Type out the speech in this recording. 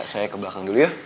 saya ke belakang dulu ya